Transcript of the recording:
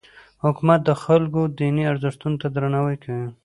حکومت د خلکو دیني ارزښتونو ته درناوی کوي.